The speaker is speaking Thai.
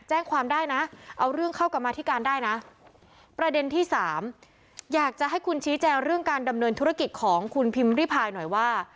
แจ้งความได้นะเอาเรื่องเข้ากับมาธิการได้นะประเด็นที่สามอยากจะให้คุณชี้แจงเรื่องการดำเนินธุรกิจของคุณพิมพ์ริพายหน่อยว่า